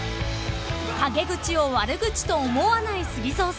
［陰口を悪口と思わないＳＵＧＩＺＯさん］